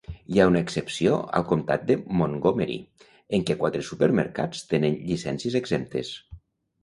Hi ha una excepció al Comtat de Montgomery, en què quatre supermercats tenen llicències exemptes.